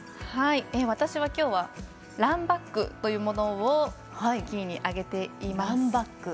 私はきょうはランバックというものをキーに挙げています。